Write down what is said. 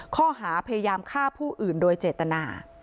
ข้อหาพยายามฆ่าผู้อื่นโดยเจตนา